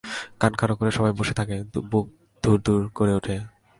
কান খাড়া করে সবাই বসে থাকে, বুক দুরুদুরু করে ওঠে।